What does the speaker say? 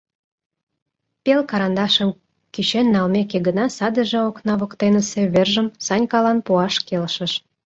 Пел карандашым кӱчен налмеке гына садыже окна воктенысе вержым Санькалан пуаш келшыш.